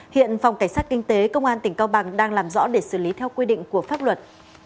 hiện phòng cảnh sát kinh tế công an tỉnh cao bằng đang làm rõ để xử lý theo quy định của pháp luật